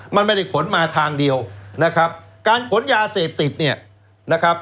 มันไม่ได้ขนมาทางเดียวนะครับการขนยาเสพติดเนี่ยนะครับ